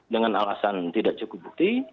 dengan alasan tidak cukup bukti